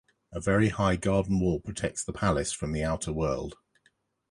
A very high garden wall protects the palace from the outer world.